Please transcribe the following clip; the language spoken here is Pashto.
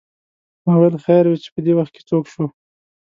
ما ویل خیر وې چې پدې وخت څوک شو.